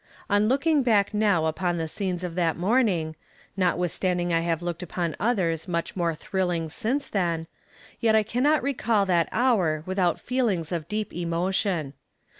On looking back now upon the scenes of that morning, notwithstanding I have looked upon others much more thrilling since then, yet I cannot recall that hour without feelings of deep emotion.